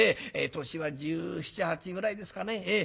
年は十七十八ぐらいですかね。